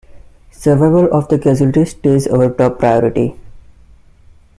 Survival of the casualties stays our top priority!